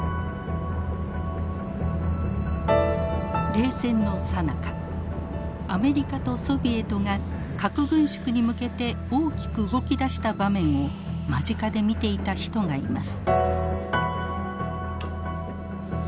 冷戦のさなかアメリカとソビエトが核軍縮に向けて大きく動き出した場面を間近で見ていた人がいます。